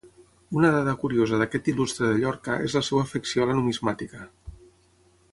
Una dada curiosa d'aquest il·lustre de Llorca és la seva afecció a la numismàtica.